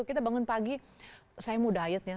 kita bangun pagi saya mau dietnya